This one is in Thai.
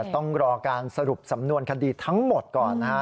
ต้องรอการสรุปสำนวนคดีทั้งหมดก่อนนะฮะ